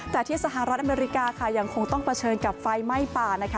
แต่ที่สหรัฐอเมริกาค่ะยังคงต้องเผชิญกับไฟไหม้ป่านะคะ